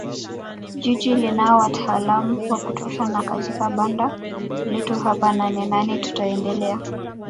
Jiji linao wataalam wa kutosha na katika banda letu hapa Nanenane tutaendelea